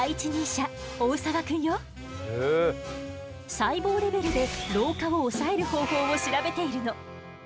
細胞レベルで老化を抑える方法を調べているの。